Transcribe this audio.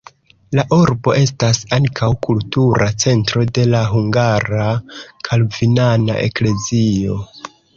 La urbo estas ankaŭ kultura centro de la hungara kalvinana eklezio.